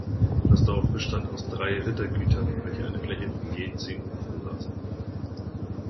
Das Dorf bestand aus drei Rittergütern, welche eine Fläche je zehn Hufe besaßen.